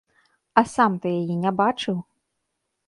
А сам ты яе не бачыў?